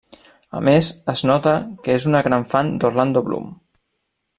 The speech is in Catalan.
A més es nota que és una gran fan d'Orlando Bloom.